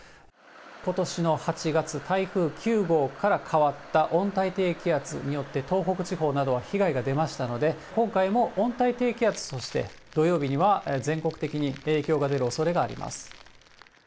ことしの８月、台風９号から変わった温帯低気圧によって、東北地方などは被害が出ましたので、今回も温帯低気圧として、土曜日には全国的に影響が出るおそれがあります。